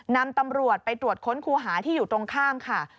นำตำรวจไปตรวจค้นครูหาที่อยู่ตรงข้ามค่ะ